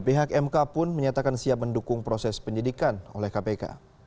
pihak mk pun menyatakan siap mendukung proses penyidikan oleh kpk